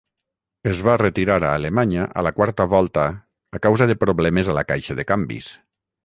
Es va retirar a Alemanya a la quarta volta a causa de problemes a la caixa de canvis.